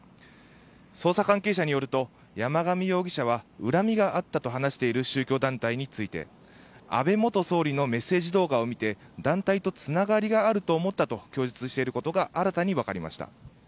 捜査関係者によると山上容疑者は恨みがあったと話している宗教団体について安倍元総理のメッセージ動画を見て団体とつながりがあると思ったと供述していることが新たに分かりました。